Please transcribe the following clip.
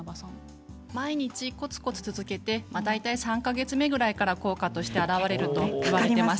毎日こつこつ続けて大体３か月目ぐらいから効果が表れると言われています。